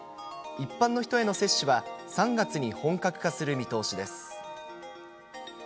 一般の人への接種は３月に本格化する見通しです。